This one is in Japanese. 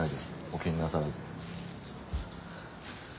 お気になさらず。